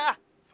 ah si po